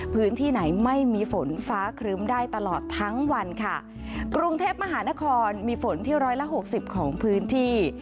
พื้นที่ไหนไม่มีฝนฟ้าครึ้มได้ตลอดทั้งวันค่ะกรุงเทพมหานครมีฝนที่ร้อยละหกสิบของพื้นที่